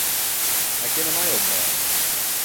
Hy kin om my opwaaie.